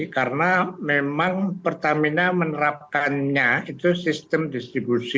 karena memang pertamina menerapkannya itu sistem distribusi